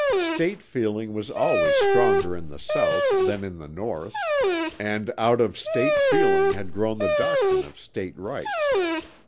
State feeling was always stronger in the South than in the North and out of State feeling had grown the doctrine of State rights.